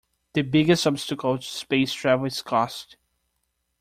The biggest obstacle to space travel is cost.